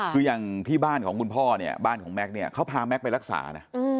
คืออย่างที่บ้านของคุณพ่อเนี่ยบ้านของแก๊กเนี่ยเขาพาแก๊กไปรักษานะ